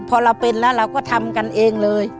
พอเราเป็นแล้วเราก็ทำกันเองเลย